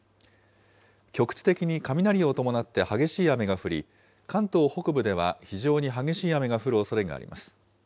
局地的に雷を伴って激しい雨が降り、関東北部では非常に激しい雨が降るおそれがあります。